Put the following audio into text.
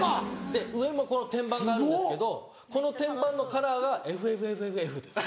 上も天板があるんですけどこの天板のカラーが＃ｆｆｆｆｆｆです。